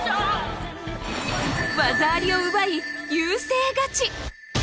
技ありを奪い、優勢勝ち。